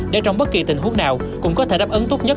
để trong bất kỳ tình huống nào cũng có thể đáp ứng tốt nhất